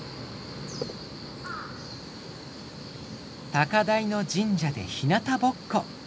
高台の神社でひなたぼっこ。